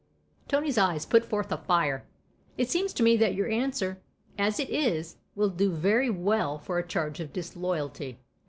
Tony's eyes put forth a fire. " It seems to me that your answer, as it is, will do very well for a. charge of disloyalty.